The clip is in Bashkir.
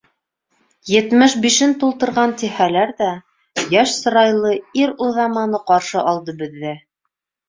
Етмеш бишен тултырған тиһәләр ҙә, йәш сырайлы ир-уҙаман ҡаршы алды беҙҙе.